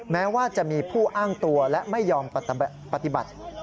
แม้ว่าจะมีผู้อ้างตัวและไม่ยอมปฏิบัติ